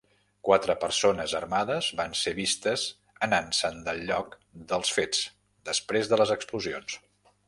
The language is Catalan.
Quatre persones armades van ser vistes anant-se'n del lloc dels fets després de les explosions.